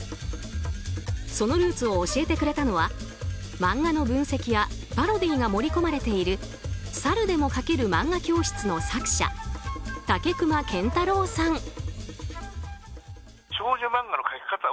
そのルーツを教えてくれたのは漫画の分析やパロディーが盛り込まれている「サルでも描けるまんが教室」の作者竹熊健太郎さん。